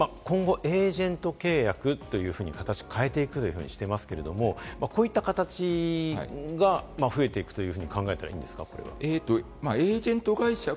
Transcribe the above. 今後エージェント契約というふうに形を変えていくとしていますけれども、こういった形が増えていくと考えてもいいですか？